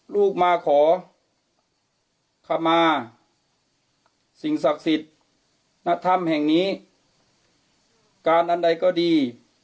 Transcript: ลูกมาขอขมาสิ่งศักดิ์สิทธิ์ณธรรมแห่งนี้การอันใดก็ดี